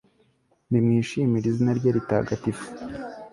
nimwishimire izina rye ritagatifu